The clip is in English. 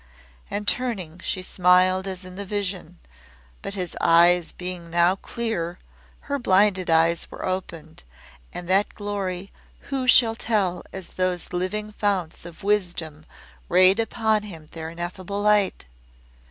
And turning, she smiled as in the vision, but his eyes being now clear her blinded eyes were opened, and that glory who shall tell as those living founts of Wisdom rayed upon him their ineffable light?